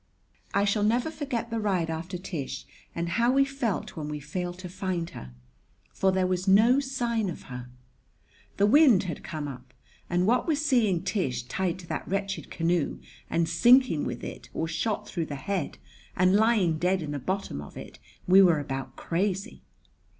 I shall never forget the ride after Tish and how we felt when we failed to find her; for there was no sign of her. The wind had come up, and, what with seeing Tish tied to that wretched canoe and sinking with it or shot through the head and lying dead in the bottom of it, we were about crazy.